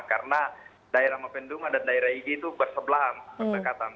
karena daerah mapenduma dan daerah igi itu bersebelah perdekatan